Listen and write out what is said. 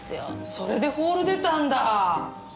それでホール出たんだ。